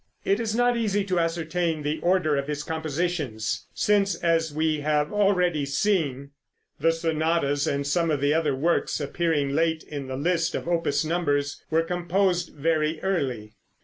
It is not easy to ascertain the order of his compositions, since, as we have already seen, the sonatas and some of the other works appearing late in the list of opus numbers were composed very early.